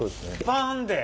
パン！で。